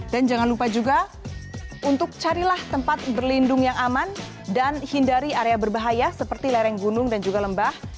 dan jangan lupa juga untuk carilah tempat berlindung yang aman dan hindari area berbahaya seperti lereng gunung dan juga lembah